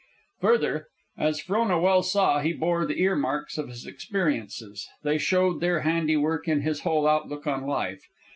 Further, as Frona well saw, he bore the ear marks of his experiences; they showed their handiwork in his whole outlook on life.